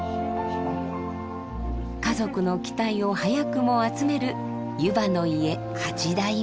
家族の期待を早くも集める湯波の家八代目。